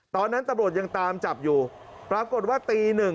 ตอนนั้นตำรวจยังตามจับอยู่ปรากฏว่าตีหนึ่ง